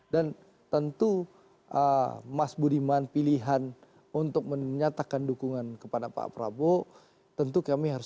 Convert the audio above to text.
dan tentu mas budiman pilihan untuk menyatakan dukungan kepada pak prabowo tentu kami harus